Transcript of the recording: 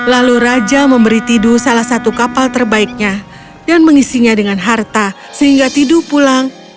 lalu raja memberi tidu salah satu kapal terbaiknya dan mengisinya dengan harta sehingga tidu pulang